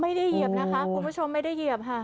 เหยียบนะคะคุณผู้ชมไม่ได้เหยียบค่ะ